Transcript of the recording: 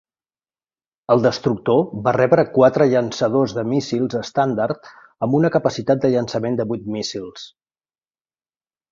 El destructor va rebre quatre llançadors de míssils estàndard amb una capacitat de llançament de vuit míssils.